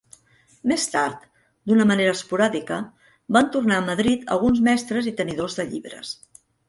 Més tard, d'una manera esporàdica, van tornar a Madrid alguns mestres i tenidors de llibres.